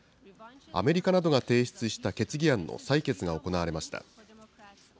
アメリカなどが提出した決議案の採決が行われました。